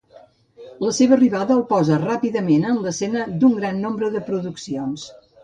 La seva arribada el posa ràpidament en l'escena d'un gran nombre de produccions.